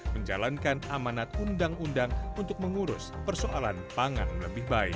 menjalankan amanat undang undang untuk mengurus persoalan pangan lebih baik